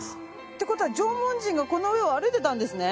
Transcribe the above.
って事は縄文人がこの上を歩いてたんですね。